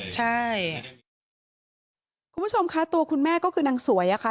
ใช่คุณผู้ชมค่ะตัวคุณแม่ก็คือนางสวยอะค่ะ